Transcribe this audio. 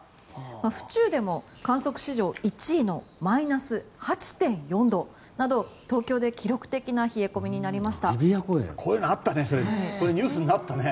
府中でも観測史上１位のマイナス８．４度など東京で記録的な冷え込みになりました。